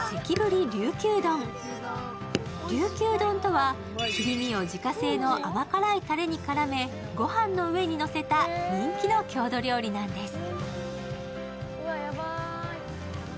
りゅうきゅう丼とは切り身を自家製の甘辛いたれに絡めご飯の上にのせた人気の郷土料理なんです。